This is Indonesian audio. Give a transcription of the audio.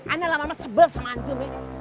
ana lama lama sebel sama antum ya